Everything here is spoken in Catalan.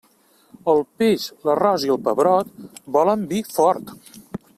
El peix, l'arròs i el pebrot volen vi fort.